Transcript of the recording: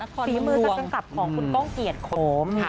ศีลมือสัตว์กันกลับของคุณก้องเกียรติโขมค่ะ